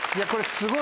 すごい。